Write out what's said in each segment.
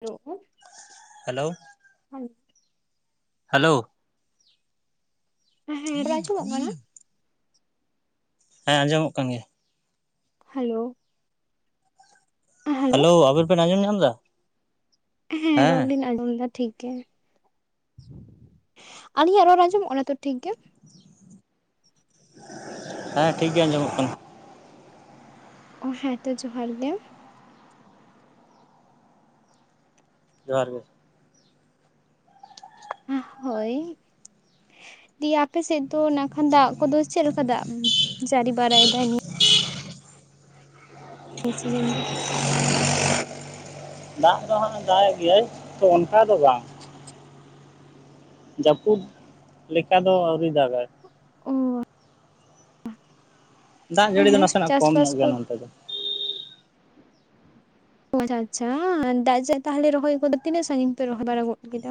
Hello. Hello. [unintelligible] Hello. ᱦᱮᱸ, ᱨᱟᱲ ᱟᱸᱡᱚᱢᱚᱜ ᱠᱟᱱᱟ? ᱦᱮᱸ ᱟᱸᱡᱚᱢᱚᱜ ᱠᱟᱱ ᱜᱮᱭᱟ᱾ ᱦᱮᱞᱳ᱾ ᱦᱮᱞᱳ, ᱟᱵᱮᱱ ᱵᱮᱱ ᱟᱸᱡᱚᱢ ᱧᱟᱢ ᱫᱟ? ᱦᱮᱸ, ᱨᱚᱲ ᱞᱤᱧ ᱟᱸᱡᱚᱢ ᱫᱟ᱾ ᱴᱷᱤᱠ ᱜᱮ, ᱟᱹᱞᱤᱧᱟᱜ ᱨᱚᱲ ᱟᱸᱡᱚᱢᱚᱜ ᱠᱟᱱᱟ ᱛᱚ ᱴᱷᱤᱠ ᱜᱮ? ᱦᱮᱸ ᱴᱷᱤᱠ ᱜᱮ ᱟᱸᱡᱚᱢᱚᱜ ᱠᱟᱱᱟ᱾ ᱚ, ᱦᱮᱸ ᱛᱚ ᱡᱚᱦᱟᱨ ᱜᱮ᱾ ᱡᱚᱦᱟᱨ ᱜᱮ᱾ ᱦᱳᱭ, ᱫᱤᱭᱮ ᱟᱯᱮ ᱥᱮᱫ ᱫᱚ ᱱᱟᱠᱷᱟᱱ ᱫᱟᱜ ᱠᱚᱫᱚ ᱪᱮᱫ ᱞᱮᱠᱟ ᱫᱟᱜ ᱡᱟᱹᱨᱤ ᱵᱟᱨᱟᱭ ᱫᱟᱭ ᱱᱤᱛ? [unintelligible] ᱱᱤᱭᱟᱹ ᱥᱤᱡᱤᱱ ᱫᱚ [unintelligible] ᱫᱟᱜ ᱫᱚ ᱦᱟᱸᱜ ᱫᱟᱜ ᱮᱜ ᱜᱮᱭᱟᱭ ᱛᱚ ᱚᱱᱠᱟ ᱫᱚ ᱵᱟᱝ᱾ ᱡᱟᱹᱯᱩᱫ ᱞᱮᱠᱟ ᱫᱚ ᱟᱹᱣᱨᱤ ᱫᱟᱜᱟᱭ᱾ ᱚ᱾ ᱫᱟᱜ ᱡᱟᱹᱲᱤ ᱫᱚ ᱦᱮᱸ ᱱᱟᱥᱮᱱᱟᱜ ᱠᱚᱢ ᱪᱟᱥᱵᱟᱥ ᱧᱚᱜ ᱠᱚ ᱜᱮᱭᱟ ᱱᱚᱱᱛᱮ ᱫᱚ᱾ ᱟᱪᱪᱷᱟ ᱟᱪᱪᱷᱟ, ᱫᱟᱜ ᱡᱮ ᱛᱟᱞᱦᱮ ᱨᱚᱦᱚᱭ ᱠᱚᱫᱚ ᱛᱤᱱᱟᱹᱜ ᱥᱟᱺᱜᱤᱧ ᱯᱮ ᱨᱚᱦᱚᱭ ᱵᱟᱲᱟ ᱜᱚᱫ ᱠᱮᱫᱟ?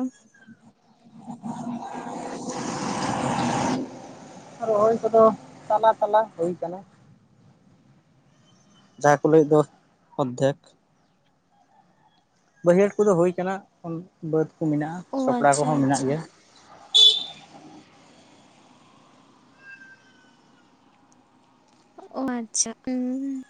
ᱨᱚᱦᱚᱭ ᱠᱚᱫᱚ ᱛᱟᱞᱟ ᱛᱟᱞᱟ ᱦᱩᱭ ᱠᱟᱱᱟ᱾ ᱡᱟᱦᱟᱸᱭᱴ ᱠᱚ ᱞᱟᱹᱭᱮᱫ ᱫᱚ ᱚᱫᱽᱫᱷᱮᱠ᱾ ᱵᱟᱹᱭᱦᱟᱹᱲ ᱠᱚᱫᱚ ᱦᱩᱭ ᱠᱟᱱᱟ, ᱚᱱ ᱵᱟᱹᱫᱽ ᱠᱚ ᱢᱮᱱᱟᱜ-ᱟ, ᱚ ᱥᱚᱠᱲᱟ ᱟᱪᱪᱷᱟ ᱠᱚᱦᱚᱸ ᱢᱮᱱᱟᱜ ᱟᱪᱪᱷᱟ ᱜᱮᱭᱟ᱾ ᱚ, ᱟᱪᱪᱷᱟ ᱩᱸ᱾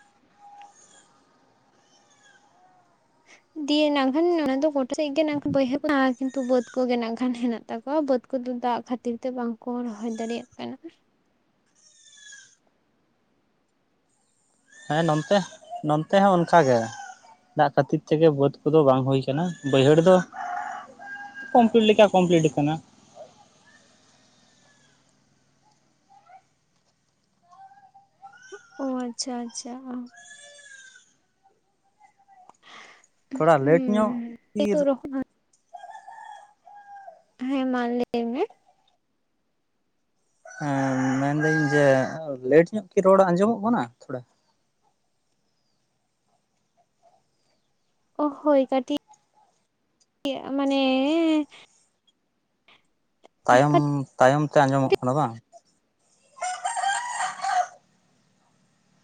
ᱫᱤᱭᱮ ᱱᱟᱜ ᱠᱷᱟᱱ ᱚᱱᱟ ᱫᱚ ᱜᱚᱴᱟ ᱥᱮᱫ ᱜᱮ ᱱᱟᱠᱷᱟᱱ ᱵᱟᱹᱭᱦᱟᱹ ᱟᱸᱠ ᱠᱤᱱᱛᱩ ᱵᱟᱹᱫᱽ ᱠᱚ ᱜᱮ ᱱᱟᱜ ᱠᱷᱟᱱ ᱦᱮᱱᱟᱜ ᱛᱟᱠᱚᱣᱟ ᱵᱟᱹᱫᱽ ᱩᱱᱠᱩ ᱫᱚ ᱫᱟᱜ ᱠᱷᱟᱹᱛᱤᱨ ᱛᱮ ᱵᱟᱝ ᱠᱚ ᱨᱚᱦᱚᱭ ᱫᱟᱲᱮᱭᱟᱜ ᱠᱟᱱᱟ᱾ ᱦᱮᱸ ᱱᱚᱱᱛᱮ, ᱱᱚᱱᱛᱮ ᱦᱚᱸ ᱚᱱᱠᱟ ᱜᱮ᱾ ᱫᱟᱜ ᱠᱷᱟᱹᱛᱤᱨ ᱛᱮᱜᱮ ᱵᱟᱹᱫᱽ ᱠᱚᱫᱚ ᱵᱟᱝ ᱦᱩᱭ ᱠᱟᱱᱟ, ᱵᱟᱹᱭᱦᱟᱹᱲ ᱫᱚ ᱠᱚᱢᱯᱞᱤᱴ ᱞᱮᱠᱟ ᱠᱚᱢᱯᱞᱤᱴ ᱠᱟᱱᱟ᱾ ᱚ, ᱟᱪᱪᱷᱟ ᱟᱪᱪᱷᱟ, ᱚ᱾ ᱛᱷᱚᱲᱟ ᱦᱩᱸ ᱞᱮᱹᱴ ᱧᱚᱜ ᱤᱨ ᱱᱤᱛᱚᱜ ᱨᱚᱦᱚᱭ ᱦᱮᱸ ᱢᱟ ᱞᱟᱹᱭ ᱢᱮ᱾ ᱮᱸ ᱢᱮᱱᱫᱟᱹᱧ ᱡᱮ ᱞᱮᱹᱴ ᱧᱚᱜ ᱠᱤ ᱨᱚᱲ ᱟᱸᱡᱚᱢᱚᱜ ᱠᱟᱱᱟ ᱛᱷᱚᱲᱟ? ᱚ, ᱦᱳᱭ ᱠᱟᱹᱴᱤᱡ, ᱤᱭᱟᱹ ᱢᱟᱱᱮ ᱛᱟᱭᱚᱢ, ᱛᱟᱭᱚᱢ ᱛᱮ ᱟᱸᱡᱚᱢᱚᱜ ᱠᱟᱱᱟ ᱵᱟ?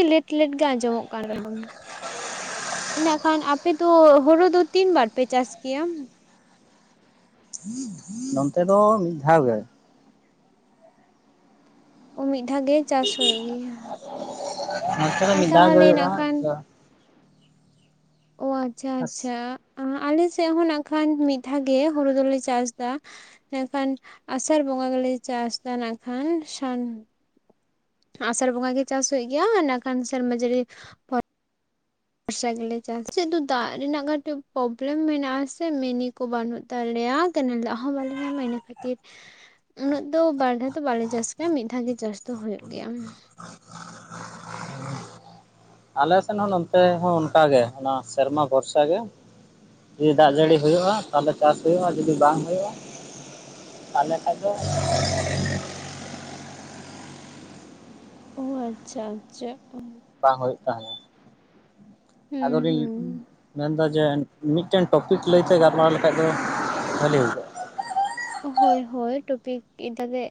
ᱞᱮᱹᱴ ᱞᱮᱹᱴ ᱜᱮ ᱟᱸᱡᱚᱢᱚᱜ ᱠᱟᱱ ᱨᱮᱦᱚᱸ ᱢᱟ ᱱᱚᱣᱟ ᱠᱷᱟᱱ ᱟᱯᱮ ᱫᱚ ᱦᱳᱨᱳ ᱫᱚ ᱛᱤᱱ ᱵᱟᱨ ᱯᱮ ᱪᱟᱥ ᱠᱮᱭᱟᱢ? ᱱᱚᱱᱛᱮ ᱫᱚ ᱢᱤᱫ ᱫᱷᱟᱣ ᱜᱮ ᱾ ᱚᱻ ᱢᱤᱫ ᱫᱷᱟᱣ ᱜᱮ ᱪᱟᱥ ᱦᱩᱭᱩᱜ ᱜᱮᱭᱟ᱾ ᱱᱚᱛᱮ ᱫᱚ ᱟᱨ ᱢᱤᱫ ᱫᱷᱟᱣ ᱜᱮ ᱛᱟᱦᱚᱞᱮ ᱱᱟᱜ ᱠᱷᱟᱱ ᱦᱩᱭᱩᱜᱼᱟ᱾ ᱚᱻ ᱟᱪᱪᱷᱟ ᱟᱪᱪᱷᱟ ᱟᱸ ᱟᱞᱮ ᱥᱮᱫ ᱦᱚᱸ ᱱᱟᱜ ᱠᱷᱟᱱ ᱢᱤᱫ ᱫᱷᱟᱣ ᱜᱮ ᱦᱩᱲᱩ ᱫᱚᱞᱮ ᱪᱟᱥ ᱫᱟ᱾ ᱢᱮᱱᱠᱷᱟᱱ ᱟᱥᱟᱲ ᱵᱚᱸᱜᱟ ᱜᱮᱞᱮ ᱪᱟᱥ ᱫᱟ ᱱᱟᱜ ᱠᱷᱟᱱ ᱥᱟᱱ ᱟᱥᱟᱲ ᱵᱚᱸᱜᱟ ᱜᱮ ᱪᱟᱥ ᱦᱩᱭᱩᱜ ᱜᱮᱭᱟ ᱤᱱᱟᱹ ᱠᱷᱟᱱ ᱥᱮᱨᱢᱟ ᱡᱟᱹᱲᱤ ᱵᱷᱚᱨᱥᱟ ᱜᱮᱞᱮ ᱪᱟᱥ, ᱪᱮᱫ ᱫᱚ ᱫᱟᱜ ᱨᱮᱱᱟᱜ ᱠᱟᱹᱴᱤᱡ ᱯᱨᱚᱵᱞᱮᱢ ᱢᱮᱱᱟᱜᱼᱟ ᱥᱮ ᱢᱤᱱᱤ ᱠᱚ ᱵᱟᱹᱱᱩᱜ ᱛᱟᱞᱮᱭᱟ ᱠᱮᱱᱮᱞ ᱫᱟᱜ ᱦᱚᱸ ᱵᱟᱞᱮ ᱧᱟᱢᱟ ᱤᱱᱟᱹ ᱠᱷᱟᱹᱛᱤᱨ ᱩᱱᱟᱹᱜ ᱫᱚ ᱵᱟᱨ ᱫᱷᱟᱣ ᱫᱚ ᱵᱟᱞᱮ ᱪᱟᱥ ᱜᱮᱭᱟ ᱢᱤᱫ ᱫᱷᱟᱣ ᱜᱮ ᱪᱟᱥ ᱫᱚ ᱦᱳᱭᱳᱜ ᱜᱮᱭᱟ ᱾ ᱟᱞᱮ ᱥᱮᱱ ᱦᱚᱸ ᱱᱚᱱᱛᱮ ᱦᱚᱸ ᱚᱱᱠᱟ ᱜᱮ ᱚᱱᱟ ᱥᱮᱨᱢᱟ ᱵᱷᱚᱨᱥᱟ ᱜᱮ ᱾ ᱡᱩᱫᱤ ᱫᱟᱜ ᱡᱟᱹᱲᱤ ᱦᱩᱭᱩᱜᱼᱟ ᱛᱟᱦᱚᱞᱮ ᱪᱟᱥ ᱦᱩᱭᱩᱜᱼᱟ᱾ ᱟᱨ ᱡᱩᱫᱤ ᱵᱟᱝ ᱦᱩᱭᱩᱜᱼᱟ ᱛᱟᱦᱞᱮ ᱠᱷᱟᱡ ᱫᱚ ᱚᱻ ᱟᱪᱪᱷᱟ ᱟᱪᱪᱷᱟ ᱚᱻ ᱾ ᱵᱟᱝ ᱦᱩᱭᱩᱜ ᱛᱟᱦᱮᱸᱱᱟ ᱟᱫᱚ ᱞᱤᱧ ᱦᱩᱸ ᱢᱮᱱᱫᱟ ᱡᱮ ᱢᱤᱫᱴᱮᱱ ᱴᱚᱯᱤᱠ ᱞᱟᱹᱭᱛᱮ ᱜᱟᱞᱢᱟᱨᱟᱣ ᱞᱮᱠᱷᱟᱡ ᱫᱚ ᱵᱷᱟᱹᱞᱤ ᱦᱩᱭ ᱠᱚᱜ-ᱟ ᱾ ᱦᱳᱭ ᱦᱳᱭ ᱴᱚᱯᱤᱠ ᱛᱟᱞᱮ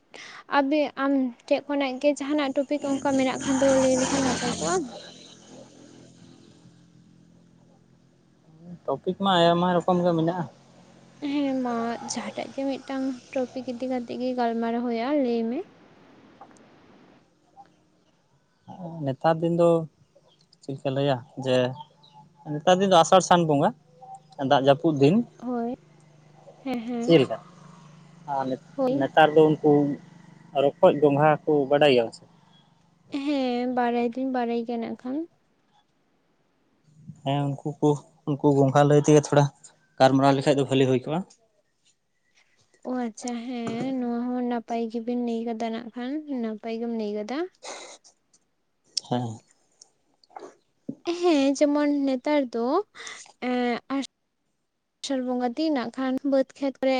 ᱟᱵᱮ ᱟᱢ ᱴᱷᱮᱡ ᱠᱷᱚᱱᱟᱜ ᱜᱮ ᱡᱟᱦᱟᱱᱟᱜ ᱴᱚᱯᱤᱠ ᱯᱤᱠ ᱚᱱᱠᱟ ᱢᱮᱱᱟᱜ ᱠᱷᱟᱱ ᱫᱚ ᱞᱟᱹᱭ ᱞᱮᱠᱷᱟᱱ ᱱᱟᱯᱟᱭ ᱠᱚᱜᱼᱟ ᱾ ᱴᱚᱯᱤᱠ ᱢᱟ ᱟᱭᱢᱟ ᱨᱚᱠᱚᱢ ᱜᱮ ᱢᱮᱱᱟᱜᱼᱟ ᱾ ᱦᱮᱸ ᱢᱟ ᱡᱟᱦᱟᱴᱟᱜ ᱜᱮ ᱢᱤᱫᱴᱟᱝ ᱴᱚᱯᱤᱠ ᱤᱫᱤ ᱠᱟᱛᱮᱜ ᱜᱮ ᱜᱟᱞᱢᱟᱨᱟᱣ ᱦᱩᱭᱩᱜᱼᱟ ᱞᱟᱹᱭ ᱢᱮ? ᱱᱮᱛᱟᱨ ᱫᱤᱱ ᱫᱚ ᱪᱮᱫ ᱠᱚ ᱞᱟᱹᱭᱟ ᱡᱮ ᱱᱮᱛᱟᱨ ᱫᱤᱱ ᱫᱚ ᱟᱥᱟᱲ ᱥᱟᱱ ᱵᱚᱸᱜᱟ ᱫᱟᱜ ᱡᱟᱹᱯᱩᱫ ᱫᱤᱱ ᱾ ᱦᱳᱭ ᱦᱮᱸ ᱦᱮᱸ᱾ ᱞᱮᱠᱟ ᱟᱨ ᱦᱳᱭ ᱱᱮᱛᱟᱨ ᱫᱚ ᱩᱱᱠᱩ ᱨᱚᱠᱚᱡ ᱜᱚᱝᱜᱷᱟ ᱠᱚ ᱵᱟᱰᱟᱭ ᱜᱮᱭᱟᱢ ᱥᱮ? ᱦᱮᱸ ᱵᱟᱲᱟᱭ ᱫᱩᱧ ᱵᱟᱲᱟᱭ ᱜᱮᱭᱟ ᱱᱟᱜ ᱠᱷᱟᱱ ᱾ ᱦᱮᱸ ᱩᱱᱠᱩ ᱠᱚ ᱩᱱᱠᱩ ᱜᱚᱝᱜᱷᱟ ᱞᱟᱹᱭ ᱛᱮᱜᱮ ᱛᱷᱚᱲᱟ ᱜᱟᱞᱢᱟᱨᱟᱣ ᱞᱮᱠᱷᱟᱡ ᱫᱚ ᱵᱷᱟᱞᱤ ᱦᱩᱭ ᱠᱚᱜᱼᱟ ᱾ ᱚᱻ ᱟᱪᱪᱷᱟ ᱦᱮᱸ ᱱᱚᱣᱟ ᱦᱚᱸ ᱱᱟᱯᱟᱭ ᱜᱮᱵᱤᱱ ᱞᱟᱹᱭ ᱠᱟᱫᱟ ᱱᱟᱜ ᱠᱷᱟᱱ ᱱᱟᱯᱟᱭ ᱜᱮᱢ ᱞᱟᱹᱭ ᱠᱟᱫᱟ ᱾ ᱦᱮᱸ ᱾ ᱦᱮᱸ ᱡᱮᱢᱚᱱ ᱱᱮᱛᱟᱨ ᱫᱚ ᱮᱸ ᱟᱥᱟᱲ ᱵᱚᱸᱜᱟ ᱫᱤᱱ ᱱᱟᱜ ᱠᱷᱟᱱ ᱵᱟᱹᱫᱽ ᱠᱷᱮᱛ ᱨᱮ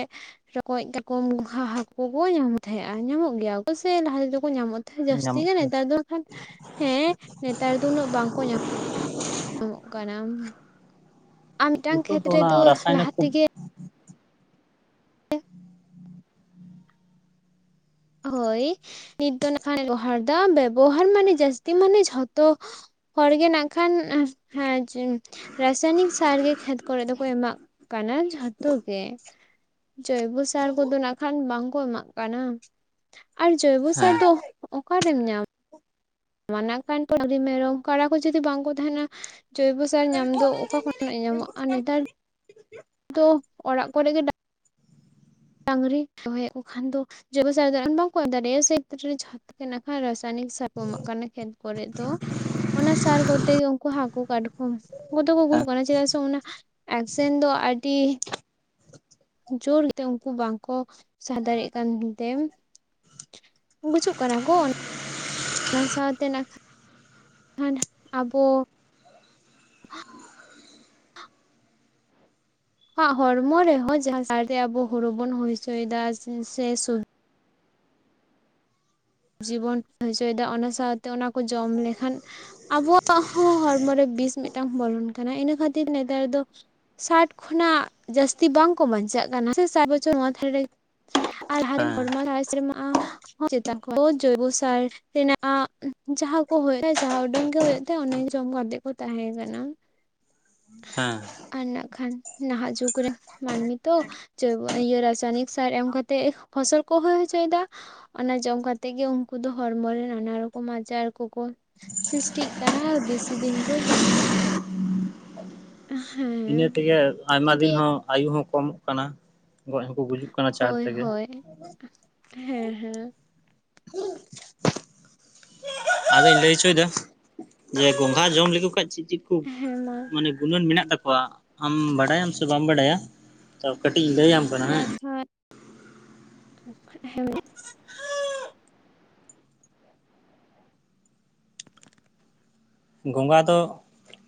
ᱨᱚᱠᱚᱡ, ᱠᱟᱴᱠᱚᱢ, ᱜᱚᱝᱜᱷᱟ, ᱦᱟᱹᱠᱩ ᱠᱚ ᱧᱟᱢ ᱛᱟᱦᱮᱸᱜᱼᱟ ᱧᱟᱢᱚᱜ ᱜᱮᱭᱟ ᱠᱚ ᱥᱮ ᱞᱟᱦᱟ ᱛᱮᱫᱚ ᱠᱚ ᱧᱟᱢᱚᱜ ᱡᱟᱹᱥᱛᱤ ᱧᱟᱢᱚᱜ ᱜᱮ ᱜᱮᱭᱟ ᱱᱮᱛᱟᱨ ᱫᱚ ᱱᱟᱜ ᱠᱷᱟᱱ ᱦᱮᱸ ᱱᱮᱛᱟᱨ ᱫᱚ ᱩᱱᱟᱹᱜ ᱵᱟᱝᱠᱚ ᱧᱟᱢ [unintelligible] ᱧᱟᱢᱚᱜ ᱠᱟᱱᱟ ᱟᱨ ᱢᱤᱫᱴᱟᱝ ᱱᱤᱛᱚᱜ ᱠᱷᱮᱛ ᱫᱚ ᱚᱱᱟ ᱨᱮᱫᱚ ᱨᱟᱥᱟᱭᱱᱤᱠ ᱞᱟᱦᱟ ᱠᱚ ᱛᱮᱜᱮ ᱦᱳᱭ ᱱᱤᱛ ᱫᱚ ᱱᱟᱜ ᱠᱷᱟᱱ ᱵᱮᱵᱚᱦᱟᱨ ᱫᱟ ᱵᱮᱵᱚᱦᱟᱨ ᱢᱟᱱᱮ ᱡᱟᱹᱥᱛᱤ ᱢᱟᱱᱮ ᱡᱷᱚᱛᱚ ᱦᱚᱲ ᱜᱮ ᱱᱟᱜ ᱠᱷᱟᱱ ᱦᱮᱸ [inaudible] ᱨᱟᱥᱟᱭᱱᱤᱠ ᱥᱟᱨ ᱜᱮ ᱠᱷᱮᱛ ᱠᱚᱨᱮ ᱫᱚᱠᱚ ᱮᱢᱟᱜ ᱠᱟᱱᱟ ᱡᱷᱚᱛᱚ ᱜᱮ ᱾ ᱡᱚᱭᱵᱚ ᱥᱟᱨ ᱠᱚᱫᱚ ᱱᱟᱜ ᱠᱷᱟᱱ ᱵᱟᱝᱠᱚ ᱮᱢᱟᱜ ᱠᱟᱱᱟ ᱾ ᱟᱨ ᱡᱳᱭᱵᱚ ᱥᱟᱨ ᱦᱮᱸ ᱫᱚ ᱚᱠᱟᱨᱮᱢ ᱧᱟᱢᱟ? ᱢᱟᱱᱟ ᱠᱷᱟᱱ ᱰᱟᱹᱝᱨᱤ, ᱢᱮᱨᱚᱢ, ᱠᱟᱲᱟ ᱠᱚ ᱡᱩᱫᱤ ᱵᱟᱝᱠᱚ ᱛᱟᱦᱮᱱᱟ ᱡᱚᱭᱵᱚ ᱥᱟ ᱥᱟᱨ ᱦᱮᱸ ᱧᱟᱢ ᱫᱚ ᱚᱠᱟ ᱠᱷᱚᱱᱟᱜ ᱧᱟᱢᱚᱜᱼᱟ ᱟᱨ ᱱᱮᱛᱟᱨ ᱫᱚ ᱚᱲᱟᱜ ᱠᱚᱨᱮ ᱜᱮ ᱰᱟᱝᱨᱤ ᱫᱚᱦᱚᱭᱮᱫ ᱠᱚ ᱠᱷᱟᱱ ᱫᱚ ᱡᱚᱭᱵᱚ ᱥᱟᱨ ᱫᱚ ᱮᱢ ᱵᱟᱝ ᱠᱚ ᱮᱢ ᱫᱟᱲᱮᱭᱟᱜᱼᱟ ᱥᱮᱭ [inaudible] ᱱᱟᱜ ᱠᱷᱟᱱ ᱨᱟᱥᱟᱭᱱᱤᱠ ᱥᱟᱨ ᱠᱚ ᱮᱢᱟᱜ ᱠᱟᱱᱟ ᱠᱷᱮᱛ ᱠᱚᱨᱮ ᱫᱚ ᱾ ᱚᱱᱟ ᱥᱟᱨ ᱠᱚᱛᱮ ᱜᱮ ᱩᱱᱠᱩ ᱦᱟᱹᱠᱩ ᱠᱟᱴᱠᱚᱢ ᱩᱱᱠᱩ ᱫᱚ ᱠᱚ ᱜᱩᱡᱩᱜ ᱠᱟᱱᱟ ᱪᱮᱫᱟᱜ ᱥᱮ ᱚᱱᱟ ᱮᱠᱥᱮᱱ ᱫᱚ ᱟᱹᱰᱤ ᱡᱳᱨ ᱜᱮᱛᱮ ᱩᱱᱠᱩ ᱵᱟᱝᱠᱚ ᱥᱟᱦᱟ ᱫᱟᱲᱮᱜ ᱠᱟᱱ ᱛᱮ [inaudible] ᱜᱩᱡᱩᱜ ᱠᱟᱱᱟ ᱠᱚ ᱚᱱᱟ ᱚᱱᱟ ᱥᱟᱶᱛᱮ ᱱᱟᱜᱠᱷᱟᱡ ᱠᱷᱟᱱ [inaudible] ᱟᱵᱚ [inaudible] ᱦᱮᱸ ᱦᱚᱲᱢᱚ ᱨᱮᱦᱚᱸ ᱡᱟᱸᱭᱡᱟᱦᱟᱸᱛᱮ ᱟᱵᱚ ᱦᱳᱲᱳ ᱵᱚᱱ ᱦᱳᱭ‌‌ ᱦᱚᱪᱚᱭᱮᱫᱟ ᱥᱮ ᱥᱮ ᱥᱚᱵᱽᱡᱤ ᱡᱤᱵᱚᱱ [inaudible] ᱦᱚᱪᱚᱭᱮᱫᱟ ᱚᱱᱟ ᱥᱟᱶᱛᱮ ᱚᱱᱟ ᱠᱚ ᱡᱚᱢ ᱞᱮᱠᱷᱟᱱ᱾ ᱟᱵᱚᱣᱟᱜ ᱦᱚᱸ ᱦᱚᱲᱢᱚ ᱨᱮ ᱵᱤᱥ ᱢᱤᱫᱴᱟᱝ ᱵᱚᱞᱚᱱ ᱠᱟᱱᱟ ᱤᱱᱟᱹ ᱠᱷᱟᱹᱛᱤᱨ ᱱᱮᱛᱟᱨ ᱫᱚ ᱥᱟᱴ ᱠᱷᱚᱱᱟᱜ ᱡᱟᱹᱥᱛᱤ ᱵᱟᱝᱠᱚ ᱵᱟᱧᱪᱟᱜ ᱠᱟᱱᱟ ᱥᱮ ᱥᱟᱴ ᱵᱚᱪᱷᱚᱨ ᱢᱚᱫᱷᱮ ᱨᱮᱜᱮ ᱟᱨ ᱞᱟᱦᱟᱛᱮᱱ ᱦᱚᱲ ᱠᱚᱢᱟ ᱥᱮᱨᱢᱟ ᱡᱳᱭᱵᱚ ᱥᱟᱨᱼᱼ ᱨᱮᱱᱟᱜ ᱡᱟᱦᱟᱸ ᱠᱚ ᱦᱩᱭᱩᱜ ᱡᱟᱦᱟᱸ ᱩᱰᱟᱹᱝ ᱜᱮ ᱦᱩᱭᱩᱜ ᱛᱟᱸᱦᱮᱫ ᱚᱱᱟ ᱠᱚ ᱡᱚᱢ ᱠᱟᱛᱮᱜ ᱠᱚ ᱛᱟᱦᱮᱸ ᱠᱟᱱᱟ ᱾ [inaudible] ᱦᱮᱸ ᱟᱨ ᱱᱟᱜ ᱠᱷᱟᱱ ᱱᱟᱦᱟᱜ ᱡᱩᱜᱽ ᱨᱮᱱ ᱢᱟᱹᱱᱢᱤ ᱛᱚ ᱤᱭᱟᱹ ᱨᱟᱥᱟᱭᱚᱱᱤᱠ ᱥᱟᱨ ᱮᱢ ᱠᱟᱛᱮᱜ ᱯᱷᱚᱥᱚᱞ ᱠᱚ ᱦᱩᱭ ᱦᱚᱪᱚᱭᱮᱫᱟ ᱚᱱᱟ ᱡᱚᱢ ᱠᱟᱛᱮᱜ ᱛᱮᱜᱮ ᱩᱱᱠᱩ ᱫᱚ ᱦᱚᱲᱢᱚ ᱨᱮ ᱱᱟᱱᱟ ᱨᱚᱠᱚᱢ ᱟᱡᱟᱨ ᱠᱚᱠᱚ ᱥᱤᱥᱴᱤᱜ ᱠᱟᱱᱟ ᱵᱮᱥᱤ ᱫᱤᱱ ᱫᱚ ᱵᱟᱝ ᱠᱚ ᱮᱦᱮᱜ ᱤᱱᱟᱹ ᱛᱮᱜᱮ ᱟᱭᱢᱟ ᱫᱤᱱ ᱦᱚᱸ ᱟᱭᱩ ᱦᱚᱸ ᱠᱚᱢᱚᱜ ᱠᱟᱱᱟ ᱜᱚᱡ ᱦᱚᱸᱠᱚ ᱜᱩᱡᱩᱜ ᱠᱟᱱᱟ ᱪᱟᱬ ᱦᱳᱭ ᱛᱮᱜᱮ ᱦᱳᱭ [inaudible] ᱦᱮᱸ ᱦᱮᱸ ᱟᱫᱚᱧ ᱞᱟᱹᱭ ᱦᱚᱪᱚᱭᱮᱫᱟ [inaudible] ᱡᱮ ᱜᱚᱝᱜᱷᱟ ᱡᱚᱢ ᱞᱮᱠᱚ ᱠᱷᱟᱱ ᱪᱮᱫ ᱪᱮᱫ? ᱠᱷᱩᱵ ᱦᱮᱸ ᱢᱟ [inaudible] ᱢᱟᱱᱮ ᱜᱩᱱᱟᱹᱱ ᱢᱮᱱᱟᱜ ᱛᱟᱠᱚᱣᱟ᱾ ᱟᱢ ᱵᱟᱰᱟᱭᱟᱢ ᱥᱮ ᱵᱟᱢ ᱵᱟᱰᱟᱭᱟ [inaudible] ᱛᱚ ᱠᱟᱹᱴᱤᱡ ᱞᱟᱹᱭᱟᱢ᱾ ᱠᱟᱱᱟ ᱦᱮᱸ ᱱᱟᱜᱠᱷᱟᱱ [unintelligible] ᱜᱚᱸᱜᱷᱟ ᱫᱚ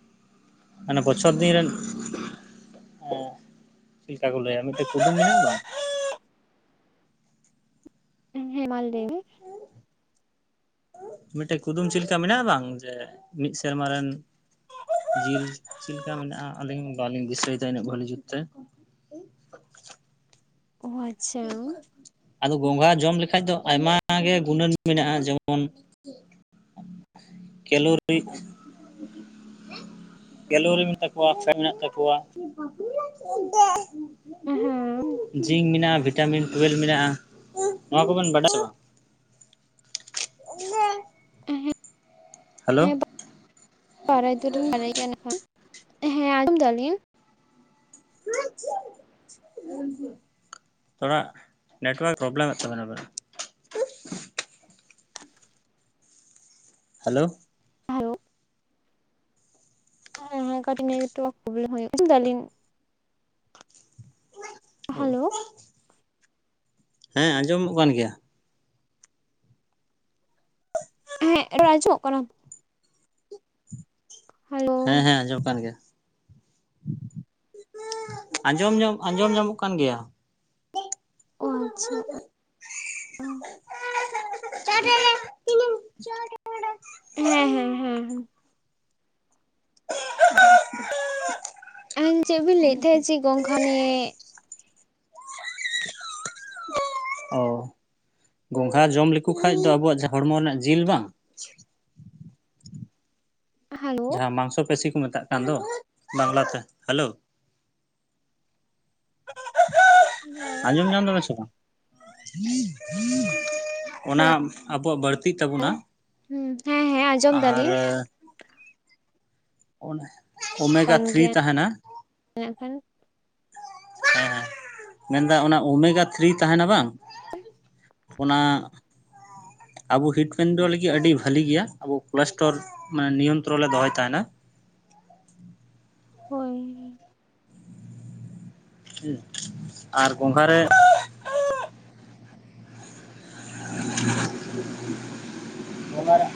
[inaudible] ᱢᱟᱱᱮ ᱵᱚᱪᱷᱚᱨ ᱫᱤᱱ ᱨᱮᱱ ᱦᱚᱸ [inaudible] ᱪᱮᱫ ᱞᱮᱠᱟ ᱠᱚ ᱞᱟᱹᱭᱟ ᱢᱤᱫᱴᱮᱱ ᱠᱩᱫᱩᱢ ᱢᱮᱱᱟᱜ-ᱟ ᱵᱟᱝ ᱦᱮᱸ ᱦᱮᱸ ᱢᱟ ᱞᱟᱹᱭ ᱢᱮ? ᱢᱤᱫᱴᱮᱱ ᱠᱩᱫᱩᱢ ᱪᱮᱫ ᱞᱮᱠᱟ ᱢᱮᱱᱟᱜ-ᱟ, ᱵᱟᱝ ᱡᱮ ᱢᱤᱫ ᱥᱮᱨᱢᱟ ᱨᱮᱱ ᱡᱤᱞ ᱪᱮᱫ ᱞᱮᱠᱟ ᱢᱮᱱᱟᱜ-ᱟ, ᱟᱹᱞᱤᱧ ᱵᱟᱞᱤᱧ ᱫᱤᱥᱟᱹᱭᱮᱫᱟ ᱩᱱᱟᱹᱜ ᱵᱷᱟᱹᱞᱤ ᱡᱩᱛ ᱛᱮ ᱚ ᱟᱪᱪᱷᱟ ᱟᱫᱚ ᱜᱚᱝᱜᱷᱟ ᱡᱚᱢ ᱞᱮᱠᱟᱡ ᱫᱚ ᱟᱭᱢᱟ ᱜᱮ ᱜᱩᱱᱟᱹᱱ ᱢᱮᱱᱟᱜ-ᱟ, ᱡᱮᱢᱚᱱ [inaudible] ᱠᱮᱞᱳᱨᱤ [inaudible] ᱠᱮᱞᱳᱨᱤ ᱢᱮᱱᱟᱜ ᱛᱟᱠᱚᱣᱟ ᱟᱥ ᱢᱮᱱᱟᱜ ᱛᱟᱠᱚᱣᱟ ᱦᱮᱸ [inaudible] ᱡᱤᱝᱠ ᱢᱮᱱᱟᱜ-ᱟ ᱵᱷᱤᱴᱟᱢᱤᱱ ᱴᱩᱭᱮᱞᱵᱷ ᱢᱮᱱᱟᱜ-ᱟ, ᱱᱚᱣᱟ ᱠᱚᱵᱤᱱ ᱵᱟᱰᱟᱭᱟ? [unintelligible] ᱮᱦᱮᱸᱜ ᱦᱮᱞᱳ ᱵᱟᱨᱟᱭ ᱫᱚᱞᱤᱧ ᱵᱟᱲᱟᱭ ᱜᱮᱭᱟ ᱱᱟᱠᱷᱟᱱ [inaudible] ᱦᱮᱸ ᱟᱸᱡᱚᱢ ᱫᱟᱞᱤᱧ ᱾ [inaudible] [inaudible] ᱛᱷᱚᱲᱟ [inaudible] ᱱᱮᱴᱚᱣᱟᱨᱠ ᱯᱨᱚᱵᱞᱮᱢᱮᱫ ᱛᱟᱵᱤᱱᱟ ᱟᱵᱤᱱᱟᱜ ᱾ ᱦᱮᱞᱳ ᱦᱟᱞᱳ ᱦᱮᱸ ᱦᱮᱸ ᱠᱟᱹᱴᱤᱡ ᱱᱮᱴᱣᱟᱨᱠ ᱯᱨᱚᱵᱞᱮᱢ ᱦᱩᱭᱩᱜ [unintelligible] ᱟᱸᱡᱚᱢ ᱫᱟᱞᱤᱧ᱾ ᱦᱮᱞᱳ ᱦᱮᱸ ᱟᱸᱡᱚᱢᱚᱜ ᱠᱟᱱ ᱜᱮᱭᱟ ᱾ ᱦᱮᱸ ᱨᱟᱡᱚᱜ ᱠᱟᱱᱟ [unintelligible] ᱦᱮᱞᱳ ᱦᱮᱸ ᱦᱮᱸ ᱟᱸᱡᱚᱢ ᱠᱟᱱ ᱜᱮᱭᱟ ᱾ ᱟᱸᱡᱚᱢ ᱧᱚᱢ ᱟᱸᱡᱚᱢ ᱧᱟᱢᱚᱜ ᱠᱟᱱ ᱜᱮᱭᱟ ᱾ ᱚ ᱟᱪᱪᱷᱟ, [inaudible] ᱦᱮᱸ ᱦᱮᱸ ᱦᱮᱸ, [inaudible] ᱟᱧ ᱪᱮᱫ ᱵᱤᱱ ᱞᱟᱹᱭᱮᱫ ᱛᱟᱦᱮᱸᱱᱟ ᱪᱮᱫ ᱜᱚᱝᱜᱷᱟ ᱱᱤᱭᱮᱻ [inaudible] ᱚ ᱜᱚᱝᱜᱷᱟ ᱡᱚᱢ ᱞᱮᱠᱚ ᱠᱷᱟᱡ ᱫᱚ ᱟᱵᱚᱣᱟᱜ ᱦᱚᱲᱢᱚ ᱨᱮᱱᱟᱜ ᱡᱤᱞ ᱵᱟᱝ ᱦ [inaudible] ᱢᱟᱝᱥᱚ ᱯᱮᱥᱤ [unintelligible] ᱠᱚ ᱢᱮᱛᱟᱜ ᱠᱟᱱ ᱫᱚ ᱵᱟᱝᱞᱟᱛᱮ ᱦᱮᱞᱳ ᱾ ᱟᱸᱡᱚᱢ ᱧᱟᱢ ᱫᱟᱵᱤᱱ ᱥᱮᱵᱟᱝ? ᱚᱱᱟ ᱟᱵᱚᱣᱟᱜ ᱵᱟᱹᱲᱛᱤᱜ ᱛᱟᱵᱚᱱᱟ ᱾ ᱦᱩ ᱦᱮᱸ ᱦᱮᱸ ᱟᱸᱡᱚᱢ ᱫᱟᱞᱤᱧ ᱾ ᱚᱱᱟ ᱳᱢᱜᱟ ᱛᱷᱨᱤ [unintelligible] ᱛᱟᱦᱮᱱᱟ᱾ ᱢᱮᱱᱠᱷᱟᱱ ᱦᱮᱸ ᱦᱮᱸ ᱢᱮᱱᱫᱟ ᱚᱱᱟ ᱳᱢᱮᱜᱟ ᱛᱷᱨᱤ [unintelligible] ᱛᱟᱦᱮᱱᱟ ᱵᱟᱝ᱾ ᱚᱱᱟ ᱟᱵᱚ ᱦᱤᱰ ᱯᱮᱱᱰᱚ [unintelligible] ᱫᱚ ᱞᱟᱹᱜᱤᱫ ᱟᱹᱰᱤ ᱵᱷᱟᱹᱞᱤ ᱜᱮᱭᱟ ᱟᱵᱚ ᱯᱞᱟᱥᱴᱟᱨ᱾ ᱢᱟᱱᱮ ᱱᱤᱭᱚᱱᱛᱚᱨᱚᱱ [unintelligible] ᱞᱮ ᱫᱚᱦᱚᱭ ᱛᱟᱦᱮᱱᱟ᱾ ᱦᱳᱭ, ᱦᱮᱸ ᱟᱨ ᱜᱚᱝᱠᱷᱟᱨ ᱨᱮ ᱚᱱᱟ [inaudible]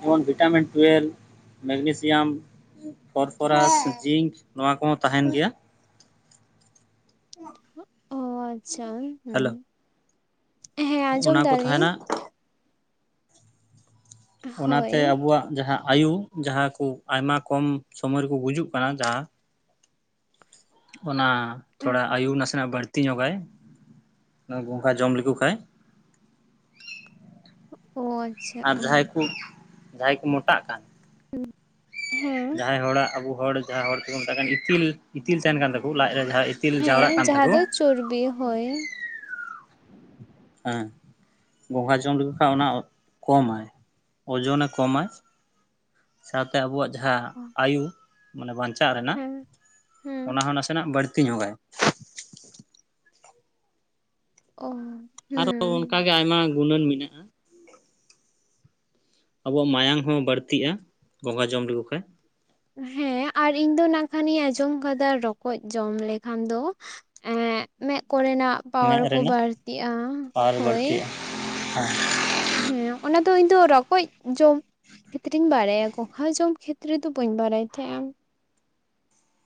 ᱡᱮᱢᱚᱱ ᱵᱷᱤᱴᱟᱢᱤᱱ ᱴᱩᱭᱮᱞ [unintelligible] ᱢᱮᱜᱱᱮᱥᱤᱭᱟᱢ [unintelligible] ᱯᱷᱚᱨᱯᱷᱚᱨᱟᱥ ᱡᱤᱝᱠ ᱱᱚᱣᱟ ᱠᱚᱦᱚᱸ ᱛᱟᱦᱮᱱ ᱜᱮᱭᱟ᱾ ᱚ ᱟᱪᱪᱷᱟ ᱦᱩᱸ᱾ ᱦᱮᱞᱳ ᱚᱱᱟ ᱠᱚ ᱛᱟᱦᱮᱱᱟ ᱦᱳᱭ ᱚᱱᱟᱛᱮ ᱟᱵᱚᱣᱟᱜ ᱡᱟᱦᱟᱸ ᱟᱭᱭᱩ ᱡᱟᱦᱟᱸ ᱠᱚ ᱟᱭᱢᱟ ᱠᱚᱢ ᱥᱚᱢᱚᱭ ᱨᱮᱠᱚ ᱜᱩᱡᱩᱜ ᱠᱟᱱᱟ ᱡᱟᱦᱟᱸ᱾ ᱚᱱᱟ ᱛᱷᱚᱲᱟ ᱟᱭᱩ ᱱᱟᱥᱮᱱᱟᱜ ᱵᱟᱹᱲᱛᱤ ᱧᱚᱜᱟᱭ᱾ ᱜᱚᱝᱜᱷᱟ ᱡᱚᱢ ᱞᱮᱠᱚ ᱠᱷᱟᱡ [unintelligible] ᱚ ᱟᱪᱪᱷᱟ ᱟᱨ ᱡᱟᱦᱟᱸᱭ ᱠᱚ ᱡᱟᱦᱟᱸᱭ ᱠᱚ ᱢᱚᱴᱟᱜ ᱠᱟᱱ ᱦᱮᱸ ᱡᱟᱦᱟᱸᱭ ᱦᱚᱲᱟᱜ ᱟᱵᱚ ᱦᱚᱲ ᱡᱟᱦᱟᱸᱭ ᱦᱚᱲ ᱛᱮᱠᱚ ᱢᱳᱴᱟᱜ ᱠᱟᱱ ᱤᱛᱤᱞ ᱤᱛᱤᱞ ᱛᱟᱦᱮᱱ ᱠᱟᱱ ᱛᱟᱠᱚ ᱞᱟᱡ ᱨᱮ ᱡᱟᱦᱟ ᱤᱛᱤ ᱤᱛᱤᱞ ᱡᱟᱣᱨᱟᱜ ᱦᱮᱸ ᱠᱟᱱ ᱡᱟᱦᱟᱸ ᱛᱟᱠᱚ ᱫᱚ ᱪᱚᱨᱵᱤ ᱦᱚᱭ᱾ ᱦᱮᱸ ᱜᱚᱸᱜᱟ ᱡᱚᱢ ᱞᱮᱠᱚ ᱠᱷᱟᱱ ᱚᱱᱟ ᱠᱚᱢᱟᱭ᱾ ᱳᱡᱳᱱ ᱮ ᱠᱚᱢᱟ ᱥᱟᱶᱛᱮ ᱟᱵᱚᱣᱟᱜ ᱡᱟᱦᱟᱸ ᱟᱭᱩ [unintelligible] ᱢᱟᱱᱮ ᱵᱟᱧᱪᱟᱜ ᱨᱮᱱᱟᱜ ᱦᱮᱸ ᱦᱮᱸ ᱚᱱᱟ ᱦᱚᱸ ᱱᱟᱥᱮᱱᱟᱜ ᱵᱟᱹᱲᱛᱤ ᱧᱚᱜᱟᱭ᱾ ᱚ, ᱟᱨᱚ ᱛᱚ ᱦᱮᱸ ᱚᱱᱠᱟᱜᱮ ᱟᱭᱢᱟ ᱜᱩᱱᱟᱹᱱ ᱢᱮᱱᱟᱜᱼᱟ᱾ ᱟᱵᱚᱣᱟᱜ ᱢᱟᱭᱟᱢ ᱦᱚᱸ ᱵᱟᱹᱲᱛᱤᱜᱼᱟ ᱜᱚᱸᱜᱷᱟ ᱡᱚᱢ ᱞᱮᱠᱚ ᱠᱷᱟᱡ᱾ ᱦᱮᱸ ᱟᱨ ᱤᱧ ᱫᱚ ᱱᱟᱜ ᱠᱷᱟᱱᱤᱧ ᱟᱸᱡᱚᱢ ᱠᱟᱫᱟ ᱨᱚᱠᱚᱡ ᱡᱚᱢ ᱞᱮᱠᱷᱟᱱ ᱫᱚ ᱮᱜ ᱢᱮᱫ ᱠᱚᱨᱮᱱᱟᱜ ᱯᱟᱣᱟᱨ ᱢᱮᱸᱫ ᱠᱚ ᱵᱟᱹᱲᱛᱤᱜᱼᱟ ᱦᱳᱭ ᱦᱮᱸ [inaudible] ᱦᱮᱸ ᱚᱱᱟ ᱫᱚ ᱤᱧ ᱫᱚ ᱨᱚᱠᱚᱡ ᱡᱚᱢ [unintelligible] ᱵᱟᱲᱟᱭᱟ ᱜᱚᱝᱸᱜᱷᱟ ᱡᱚᱢ ᱠᱷᱮᱛᱨᱮ ᱫᱚ ᱵᱟᱹᱧ ᱵᱟᱲᱟᱭ ᱛᱟᱦᱮᱸᱜᱼᱟ᱾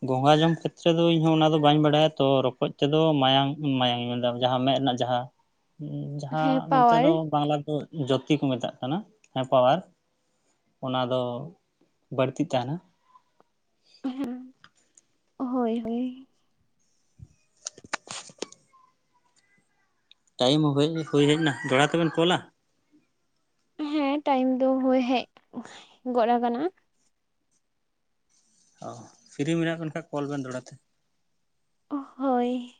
ᱜᱚᱸᱜᱷᱟ ᱡᱚᱢ ᱠᱷᱮᱛᱨᱮ ᱫᱚ ᱤᱧᱦᱚ ᱚᱱᱟ ᱫᱚ ᱵᱟᱹᱧ ᱵᱟᱰᱟᱭᱟ ᱛᱚ ᱨᱚᱠᱚᱡ ᱛᱮᱫᱚ ᱢᱟᱭᱟᱝ ᱢᱟᱭᱟᱝ ᱢᱮᱱᱫᱟ ᱡᱟᱦᱟᱸ ᱢᱮᱫ ᱨᱮᱱᱟᱜ ᱡᱟᱦᱟᱸ ᱡᱟᱦᱟᱸ ᱦᱮᱸ ᱱᱚᱱᱛᱮ ᱯᱟᱣᱟᱨ ᱫᱚ ᱵᱟᱝᱞᱟ ᱫᱚ ᱡᱚᱛᱤ ᱠᱚ ᱢᱮᱛᱟᱜ ᱠᱟᱱᱟ ᱦᱮᱸ ᱯᱟᱣᱟᱨ ᱚᱱᱟ ᱫᱚ ᱵᱟᱹᱲᱛᱤᱜ ᱛᱟᱦᱮᱱᱟ᱾ ᱦᱮᱸ [inaudible] ᱦᱳᱭ ᱦᱳᱭ᱾ ᱴᱟᱭᱤᱢ ᱦᱩᱭ ᱦᱩᱭ ᱦᱮᱡ ᱮᱱᱟ ᱫᱚᱦᱟᱲᱟ ᱛᱮᱵᱮᱱ ᱠᱚᱞᱟ᱾ ᱦᱮᱸ ᱴᱟᱭᱤᱢ ᱫᱚ ᱦᱳᱭ ᱦᱮᱡ [unintelligible] ᱜᱚᱨᱟ ᱠᱟᱱᱟ᱾ ᱚᱻ ᱯᱷᱤᱨᱨᱤ ᱢᱮᱱᱟᱜ ᱵᱮ ᱠᱷᱟᱱ ᱠᱚᱞ ᱵᱮᱱ ᱫᱚᱦᱲᱟᱛᱮ᱾ ᱦᱳᱭ᱾